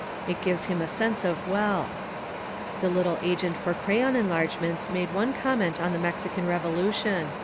It gives him a sense of wealth. The little agent for crayon enlargements made one comment on the Mexican revolution.